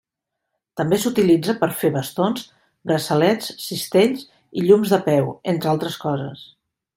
També s'utilitza per fer bastons, braçalets, cistells i llums de peu, entre altres coses.